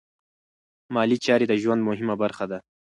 مالي چارې د ژوند مهمه برخه ده.